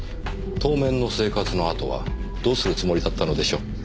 当面の生活のあとはどうするつもりだったのでしょう？